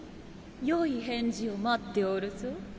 良い返事を待っておるぞ。